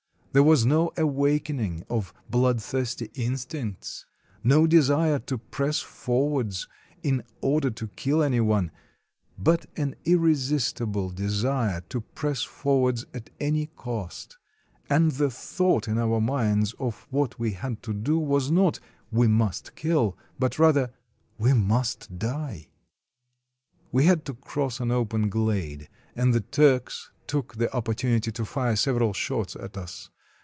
There was no awakening of bloodthirsty instincts, no desire to press forwards in order to kill any one, but an irresistible desire to press forwards at any cost; and the thought in our minds of what we had to do was not — "We must kill," but, rather, "We must die." We had to cross an open glade, and the Turks took the opportunity to fire several shots at us.